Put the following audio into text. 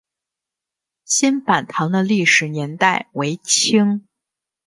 新坂堂的历史年代为清。